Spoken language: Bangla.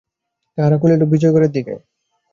তাহারা কহিল, বিজয়গড়ের দিকে।